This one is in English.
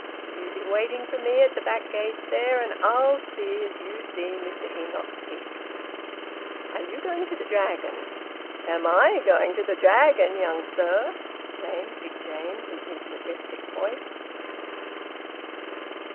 You be waiting for me at the back gates there, and I'll see as you see Mr Enoch Peake." "Are you going to the Dragon?" "Am I going to the Dragon, young sir!" exclaimed Big James, in his majestic voice.